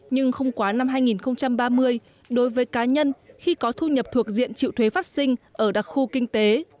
nhưng không quá năm hai nghìn ba mươi đối với cá nhân khi có thu nhập thuộc diện triệu thuế phát sinh ở đặc khu kinh tế